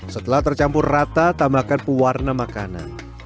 setelah tercampur rata tambahkan pewarna makanan